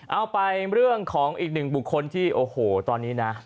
เอาไปเรื่องของอีกหนึ่งบุคคลที่โอ้โหตอนนี้นะ